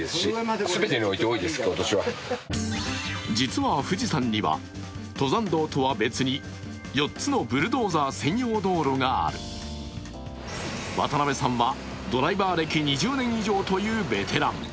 実は富士山には登山道とは別に４つのブルドーザー専用道路がある渡辺さんは、ドライバー歴２０年以上というベテラン。